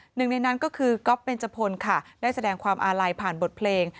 หนึ่งในนั้นก็คือก๊อฟเบนจพลค่ะได้แสดงความอาลัยผ่านบทเพลง